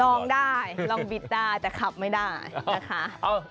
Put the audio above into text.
ลองได้ลองบิดได้แต่ขับไม่ได้นะคะ